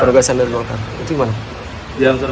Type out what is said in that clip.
gagasan dari golkar itu gimana